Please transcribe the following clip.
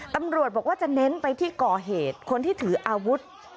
ตำรวจบอกว่าจะเน้นไปที่ก่อเหตุคนที่ถืออาวุธ